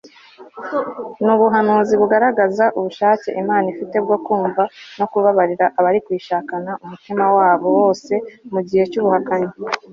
n'ubuhanuzi bugaragaza ubushake imana ifite bwo kumva no kubabarira abari kuyishakana umutima wabo wose mu gihe cy'ubuhakanyi